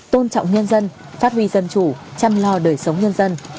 tôn trọng nhân dân phát huy dân chủ chăm lo đời sống nhân dân